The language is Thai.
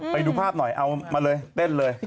ไปดูภาพหน่อยเอามาเลยเต้นเลย